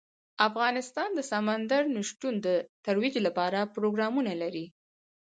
افغانستان د سمندر نه شتون د ترویج لپاره پروګرامونه لري.